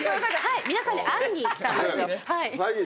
皆さんに会いに来たんですよ。